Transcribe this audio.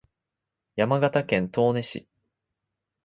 山形県東根市